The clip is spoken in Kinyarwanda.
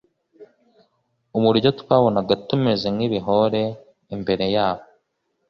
uburyo twabonaga tumeze nk ibihore imbere yabo